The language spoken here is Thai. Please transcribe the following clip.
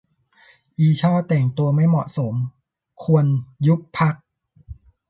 อีช่อแต่งตัวไม่เหมาะสม - ควรยุบพรรค